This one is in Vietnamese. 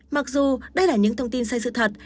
mặc dù đây là những thông tin sai sự thật